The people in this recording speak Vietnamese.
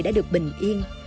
đã được bình yên